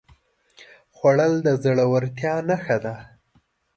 خوړل د زړورتیا نښه ده